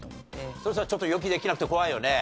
そしたらちょっと予期できなくて怖いよね。